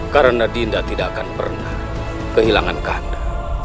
karena dinda tidak akan pernah kehilangan kak kanda